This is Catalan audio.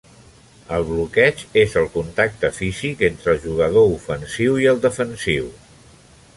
El bloqueig és el contacte físic entre el jugador ofensiu i el defensiu.